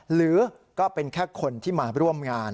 หรือก็เป็นแค่คนที่มาร่วมงาน